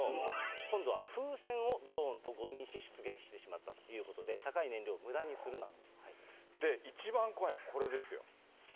今度は風船をドローンと誤認し、出撃してしまったということで、一番怖いのは、これですよ。